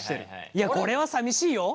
いやこれはさみしいよ？